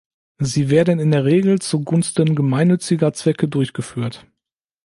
Sie werden in der Regel zu Gunsten gemeinnütziger Zwecke durchgeführt.